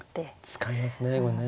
使いますねこれね。